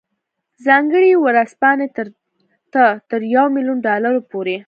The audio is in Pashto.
ځانګړې ورځپاڼې ته تر یو میلیون ډالرو پورې.